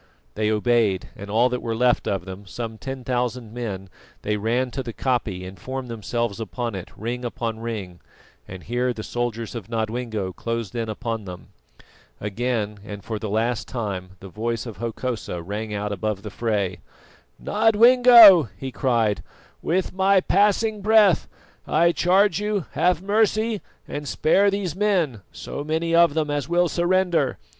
They obeyed, and all that were left of them, some ten thousand men, they ran to the koppie and formed themselves upon it, ring above ring, and here the soldiers of Nodwengo closed in upon them. Again and for the last time the voice of Hokosa rang out above the fray. "Nodwengo," he cried, "with my passing breath I charge you have mercy and spare these men, so many of them as will surrender.